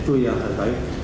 itu yang terbaik